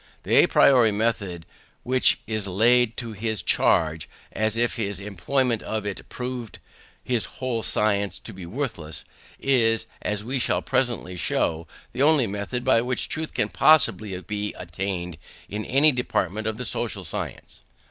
The à priori method which is laid to his charge, as if his employment of it proved his whole science to be worthless, is, as we shall presently show, the only method by which truth can possibly be attained in any department of the social science.